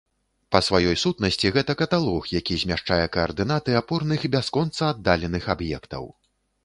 Па сваёй сутнасці гэта каталог, які змяшчае каардынаты апорных бясконца аддаленых аб'ектаў.